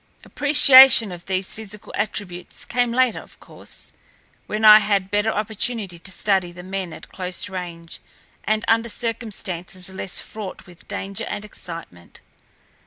Appreciation of these physical attributes came later, of course, when I had better opportunity to study the men at close range and under circumstances less fraught with danger and excitement.